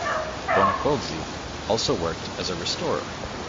Bonacolsi also worked as a restorer.